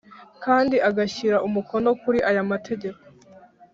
kandi agashyira umukono kuri aya mategeko